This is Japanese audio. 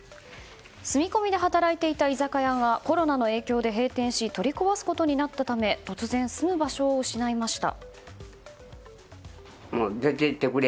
住み込みで働いていた居酒屋がコロナの影響で閉店し取り壊すことになったため突然、住む場所を失いました。